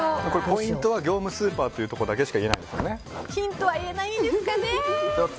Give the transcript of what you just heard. ポイントは業務スーパーということだけしかヒントは言えないんですかね。